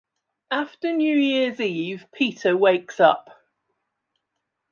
After New Year's Eve, Peter wakes up.